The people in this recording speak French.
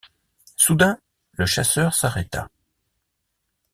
Soudain, le chasseur s’arrêta.